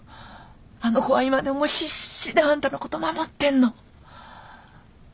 あの子は今でも必死であんたのこと守ってんの。